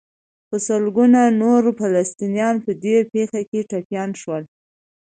په سلګونو نور فلسطینیان په دې پېښه کې ټپیان شول.